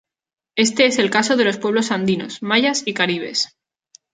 Este es el caso de los pueblos andinos, mayas y caribes.